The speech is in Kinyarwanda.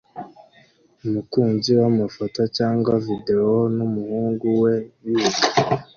Umukunzi wamafoto cyangwa videwo numuhungu we biga